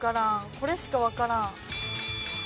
これしかわからん。